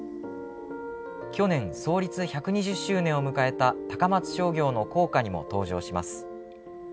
去年、創立１２０周年を迎えた高松商業の校歌にも登場します。